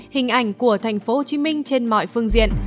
hình ảnh của thành phố hồ chí minh trên mọi phương diện